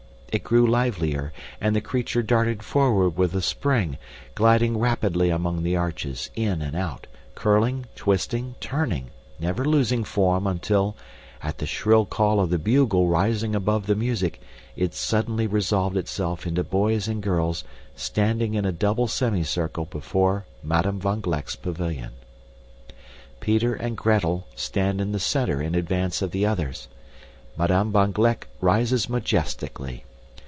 It grew livelier, and the creature darted forward with a spring, gliding rapidly among the arches, in and out, curling, twisting, turning, never losing form until, at the shrill call of the bugle rising above the music, it suddenly resolved itself into boys and girls standing in a double semicircle before Madam van Gleck's pavilion. Peter and Gretel stand in the center in advance of the others. Madame van Gleck rises majestically.